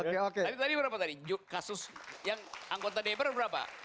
tapi tadi berapa tadi kasus yang anggota dpr berapa